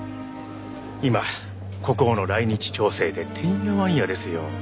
今国王の来日調整でてんやわんやですよ。